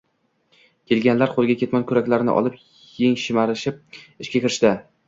Kelganlar qoʻliga ketmon, kuraklarni olib, yeng shimarib ishga kirishdi